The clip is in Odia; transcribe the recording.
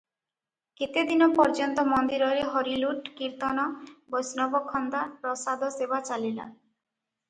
କେତେ ଦିନ ପର୍ଯ୍ୟନ୍ତ ମନ୍ଦିରରେ ହରିଲୁଟ, କୀର୍ତ୍ତନ, ବୈଷ୍ଣବଖନ୍ଦା, ପ୍ରସାଦ ସେବା ଚାଲିଲା ।